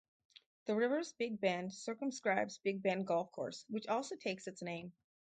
The river's Big Bend circumscribes Big Bend Golf Course, which also takes its name.